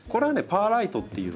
パーライトっていうね